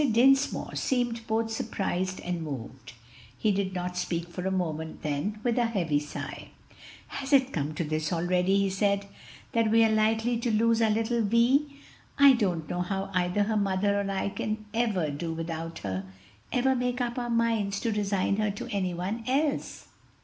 Dinsmore seemed both surprised and moved. He did not speak for a moment, then, with a heavy sigh, "Has it come to this already," he said "that we are likely to lose our little Vi? I don't know how either her mother or I can ever do without her! ever make up our minds to resign her to any one else!"